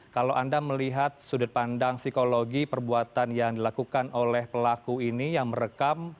kalau anda melihat sudut pandang psikologi perbuatan yang dilakukan oleh pelaku ini yang merekam